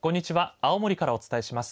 青森からお伝えします。